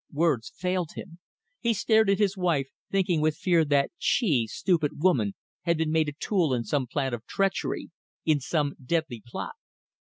Words failed him. He stared at his wife, thinking with fear that she stupid woman had been made a tool in some plan of treachery ... in some deadly plot.